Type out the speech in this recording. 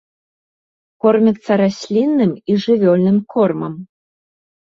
Кормяцца раслінным і жывёльным кормам.